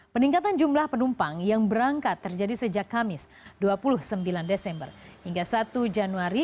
peningkatan jumlah penumpang yang berangkat terjadi sejak kamis dua puluh sembilan desember hingga satu januari